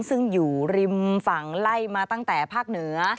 ซึ่งอยู่ริมฝั่งไล่มาตั้งแต่ภาคเหนือ